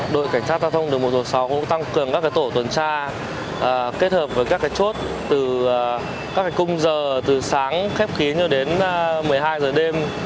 đội cảnh sát giao thông đường một sáu cũng tăng cường các tổ tuần tra kết hợp với các chốt từ các cung giờ từ sáng khép khí cho đến một mươi hai h đêm